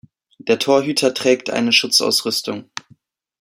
Der Torhüter trägt eine Schutzausrüstung.